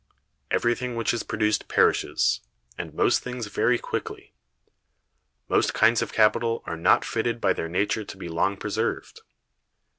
Everything which is produced perishes, and most things very quickly. Most kinds of capital are not fitted by their nature to be long preserved.